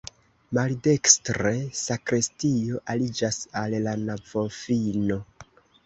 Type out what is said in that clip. Maldekstre sakristio aliĝas al la navofino.